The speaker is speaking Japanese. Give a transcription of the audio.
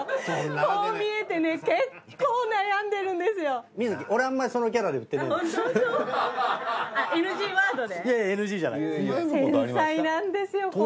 繊細なんですよ